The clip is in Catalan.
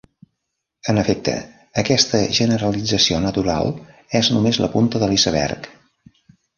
En efecte, aquesta generalització natural és només la punta de l'iceberg.